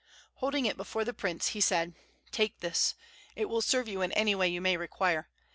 Holding it before the prince, he said: "Take this. It will serve you in any way you may require.